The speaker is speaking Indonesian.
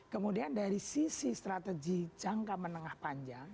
kemudian dari sisi strategi jangka menengah panjang